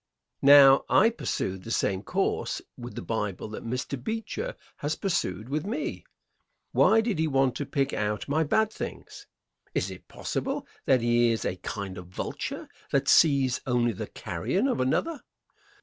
Now, I pursued the same course with the Bible that Mr. Beecher has pursued with me. Why did he want to pick out my bad things? Is it possible that he is a kind of vulture that sees only the carrion of another?